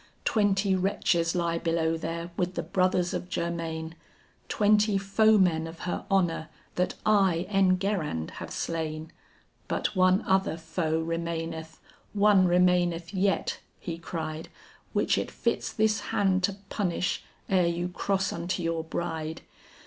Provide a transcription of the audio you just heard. Twenty wretches lie below there with the brothers of Germain, Twenty foemen of her honor that I, Enguerrand, have slain. "But one other foe remaineth, one remaineth yet," he cried, "Which it fits this hand to punish ere you cross unto your bride.